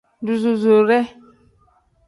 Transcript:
Duzusuure.